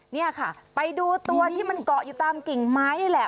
นี่ค่ะไปดูตัวที่มันเกาะอยู่ตามกิ่งไม้นี่แหละ